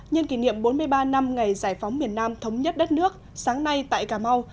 nhân kỷ niệm bốn mươi ba năm ngày giải phóng miền nam thống nhất đất nước sáng nay tại cà mau